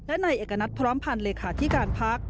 และนายเอกณัฐพร้อมพันธ์เลขาธิการพัก